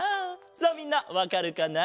さあみんなわかるかな？